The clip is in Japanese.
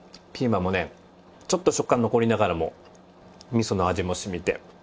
ピーマンもねちょっと食感残りながらも味噌の味も染みて。